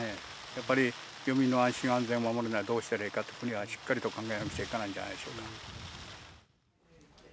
やっぱり漁民の安心安全を守るにはどうしたらいいのか、国はしっかりと考えなくちゃいけないんじゃないでしょうか。